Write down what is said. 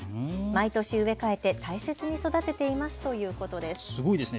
毎年植え替えて大切に育てていますということです。